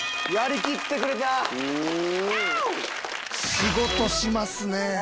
仕事しますね。